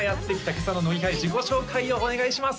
今朝の乃木回自己紹介をお願いします